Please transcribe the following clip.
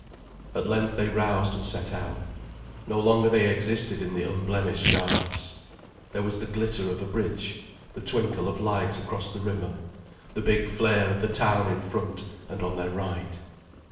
At length they roused and set out. No longer they existed in the unblemished darkness. There was the glitter of a bridge, the twinkle of lights across the river, the big flare of the town in front and on their right.